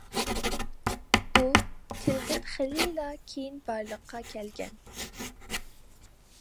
ئۇ، تىلدىن خېلىلا كېيىن بارلىققا كەلگەن.